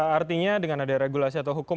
artinya dengan ada regulasi atau hukum